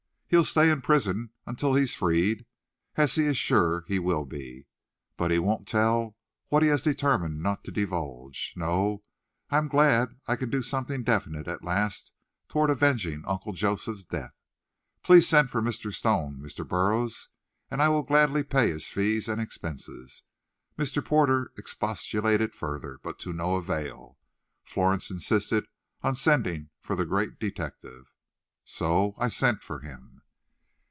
He'll stay in prison until he's freed, as he is sure he will be, but he won't tell what he has determined not to divulge. No, I am glad I can do something definite at last toward avenging Uncle Joseph's death. Please send for Mr. Stone, Mr. Burroughs, and I will gladly pay his fees and expenses." Mr. Porter expostulated further, but to no avail. Florence insisted on sending for the great detective. So I sent for him.